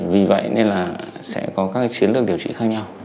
vì vậy nên là sẽ có các chiến lược điều trị khác nhau